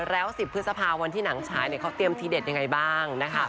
แล้ว๑๐พฤษภาวันที่หนังฉายเขาเตรียมทีเด็ดยังไงบ้างนะคะ